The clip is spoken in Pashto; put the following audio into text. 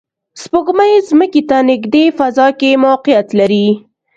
سپوږمۍ ځمکې ته نږدې فضا کې موقعیت لري